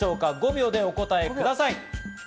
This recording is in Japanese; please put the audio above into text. ５秒でお答えください。